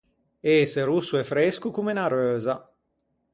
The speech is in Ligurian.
Ëse rosso e fresco comme unna reusa.